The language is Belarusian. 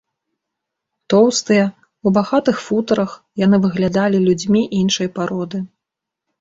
Тоўстыя, у багатых футрах, яны выглядалі людзьмі іншай пароды.